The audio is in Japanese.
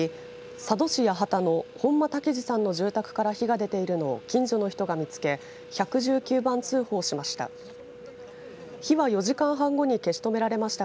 佐渡市八幡の本間武二さんの住宅から火が出ているのを近所の人が見つけ１１９番通報しました。